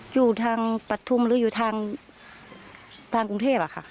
อยู่ทางปฐุมหรืออยู่ทางกรุงเทพค่ะ